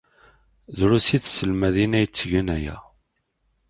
Drusit tselmadin ay yettgen aya.